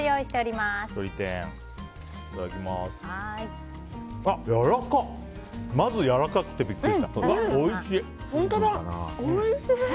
まずやわらかくてびっくりした。